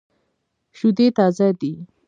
شودې تازه دي.